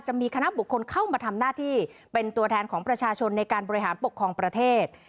จะมีคณะบุคคลเข้ามาทำหน้าที่เป็นตัวแทนของประชาชนในการบริหารปกครองประเทศ